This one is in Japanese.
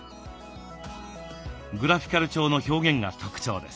グラフィカル調の表現が特徴です。